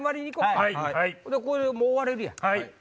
これでもう終われるやん。